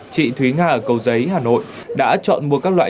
chị thúy nga ở cầu giấy hà nội đã chọn mua các loại